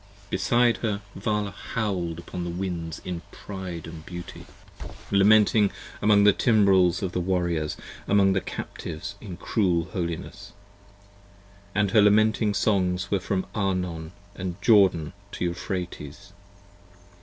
Beside her Vala howl'd upon the winds in pride of beauty, 97 Lamenting among the timbrels of the Warriors, among the Captives In cruel holiness: and her lamenting songs were from Arnon And Jordan to Euphrates.